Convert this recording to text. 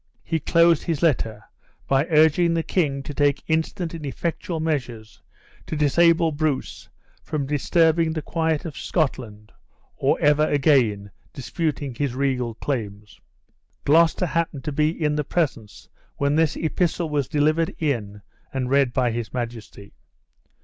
He closed his letter by urging the king to take instant and effectual measures to disable Bruce from disturbing the quiet of Scotland, or ever again disputing his regal claims! Gloucester happened to be in the presence when this epistle was delivered in and read by his majesty.